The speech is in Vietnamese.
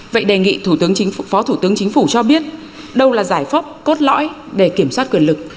vậy đề nghị phó thủ tướng chính phủ cho biết đâu là giải phóp cốt lõi để kiểm soát quyền lực